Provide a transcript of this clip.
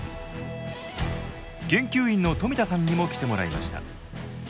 研究員の冨田さんにも来てもらいました。